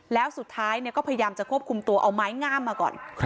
แล้วสุดท้ายก็พยายามจะควบคุมตัวเอาไม้งามมาก่อน